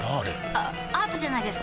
あアートじゃないですか？